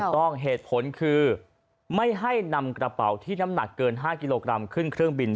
ต้องเหตุผลคือไม่ให้นำกระเป๋าที่น้ำหนักเกิน๕กิโลกรัมขึ้นเครื่องบิน